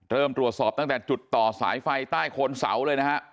เริ่มตรวจสอบตั้งแต่จุดต่อสายไฟใต้โคนเสาเลยนะฮะ